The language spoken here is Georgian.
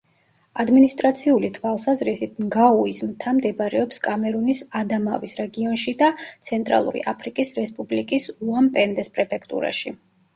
ადმინისტრაციული თვალსაზრისით ნგაუის მთა მდებარეობს კამერუნის ადამავის რეგიონში და ცენტრალური აფრიკის რესპუბლიკის უამ-პენდეს პრეფექტურაში.